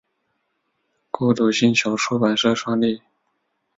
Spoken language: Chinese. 孤独星球出版社创立。